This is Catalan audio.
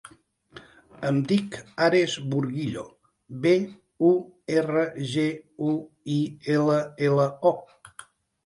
Em dic Ares Burguillo: be, u, erra, ge, u, i, ela, ela, o.